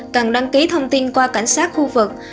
cần đăng ký thông tin qua cảnh sát khu vực